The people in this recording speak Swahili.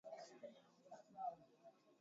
Ngombe aliyekufa kwa ndigana kali huvimba tezi